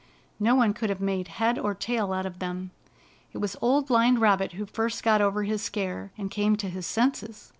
No one could have made head or tail out of them. It was Old Blind Rabbit who first got over his scare, and came to his senses.